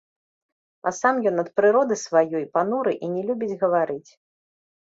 А сам ён ад прыроды сваёй пануры і не любіць гаварыць.